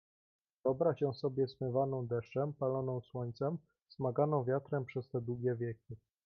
"Wyobraź ją sobie zmywaną deszczem, paloną słońcem, smaganą wiatrem przez te długie wieki."